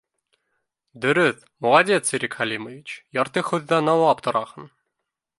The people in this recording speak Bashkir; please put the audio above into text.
— Дөрөҫ, молодец, Ирек Хәлимович, ярты һүҙҙән аңлап тораһың